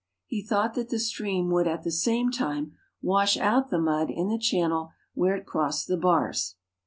He thought that the stream would at the same time wash out the mud in the channel where it crossed the bars.